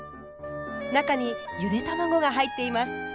中にゆで卵が入っています。